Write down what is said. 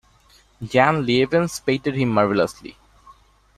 Jan Lievens painted him marvelously.